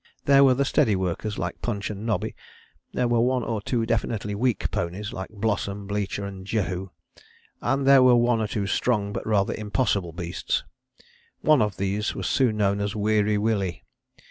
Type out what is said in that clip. There were the steady workers like Punch and Nobby; there were one or two definitely weak ponies like Blossom, Blücher and Jehu; and there were one or two strong but rather impossible beasts. One of these was soon known as Weary Willie.